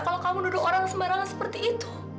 kalau kamu duduk orang sembarangan seperti itu